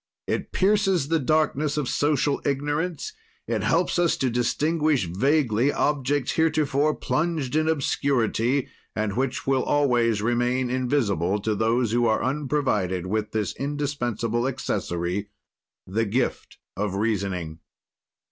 It pierces the darkness of social ignorance, it helps us to distinguish vaguely objects heretofore plunged in obscurity, and which will always remain invisible to those who are unprovided with this indispensable accessory the gift of reasoning.